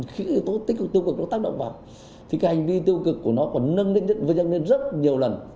khi tích cực tiêu cực nó tác động vào thì cái hành vi tiêu cực của nó còn nâng lên rất nhiều lần